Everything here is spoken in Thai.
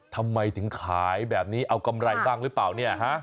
ทำไมถึงขายแบบนี้เอากำไรบ้างหรือเปล่าเนี่ยฮะ